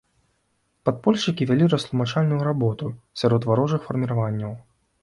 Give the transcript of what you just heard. Падпольшчыкі вялі растлумачальную работу сярод варожых фарміраванняў.